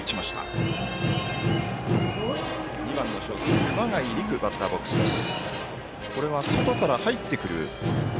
２番のショート、熊谷陸バッターボックスです。